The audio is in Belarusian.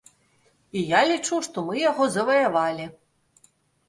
І я лічу, што мы яго заваявалі.